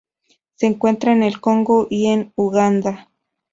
Se encuentra en el Congo y en Uganda.